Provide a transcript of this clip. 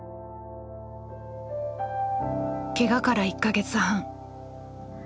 ケガから１か月半。